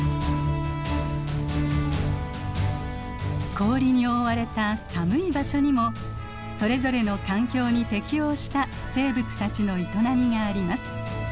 氷に覆われた寒い場所にもそれぞれの環境に適応した生物たちの営みがあります。